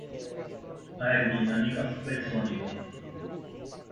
aerodinâmica supersônica